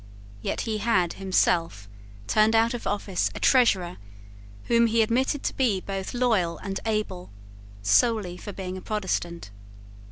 Yet he had himself turned out of office a Treasurer, whom he admitted to be both loyal and able, solely for being a Protestant.